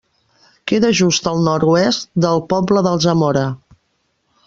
Queda just al nord-oest del poble d'Alsamora.